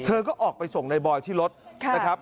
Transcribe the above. เธอก็ออกไปส่งในบอยที่รถนะครับ